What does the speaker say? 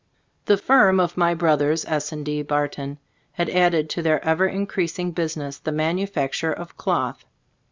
The firm of my brothers, S. & D. Barton, had added to their ever in creasing business the manufacture of cloth.